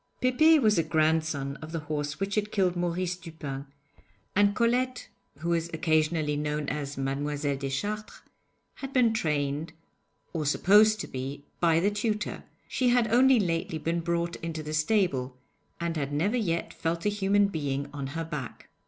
Pépé was a grandson of the horse which had killed Maurice Dupin, and Colette (who was occasionally known as Mademoiselle Deschartres) had been trained or supposed to be by the tutor; she had only lately been brought into the stable, and had never yet felt a human being on her back.